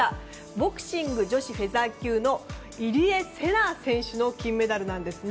ボクシング女子フェザー級の入江聖奈選手の金メダルです。